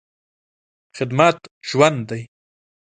خدمت ژوند دی.